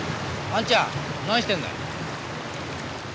・あんちゃん何してんだよ？